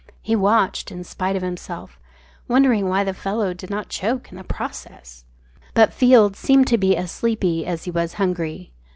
He watched in spite of himself, wondering why the fellow did not choke in the process. But Field seemed to be as sleepy as he was hungry.